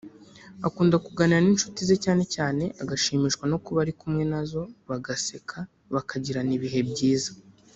akunda kuganira n’ncuti ze cyane cyane agashimishwa no kuba ari kumwe nazo bagaseka bakagirana ibihe byiza